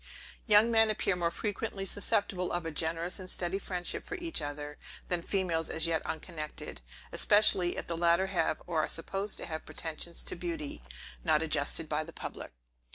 Young men appear more frequently susceptible of a generous and steady friendship for each other, than females as yet unconnected; especially, if the latter have, or are supposed to have, pretensions to beauty, not adjusted by the public.